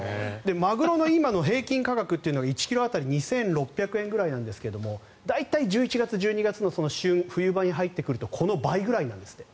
マグロの今の平均価格というのが１ｋｇ当たり２６００円ぐらいなんですが大体１１月、１２月の冬場に入ってくるとこの倍くらいなんですって。